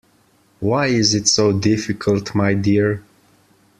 Why is it so difficult, my dear?